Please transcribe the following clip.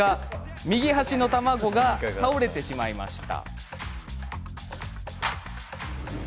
右端の卵が倒れてしまいました。